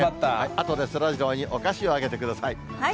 あとでそらジローにお菓子をあげてください。